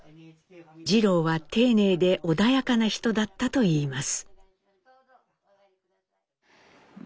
次郎は丁寧で穏やかな人だったといいます。